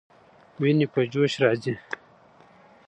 ويني په جوش راځي.